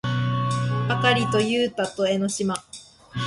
ばかりとゆうたと江の島